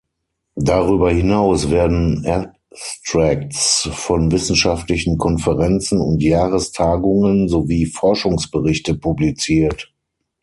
Darüber hinaus werden Abstracts von wissenschaftlichen Konferenzen und Jahrestagungen sowie Forschungsberichte publiziert.